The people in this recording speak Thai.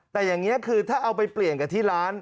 แต่อย่างนี้คือถ้าเอาไปเปลี่ยนกับที่ร้าน